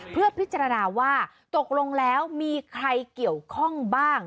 เพื่อพิจารณาว่าตกลงแล้วมีใครเกี่ยวข้องบ้าง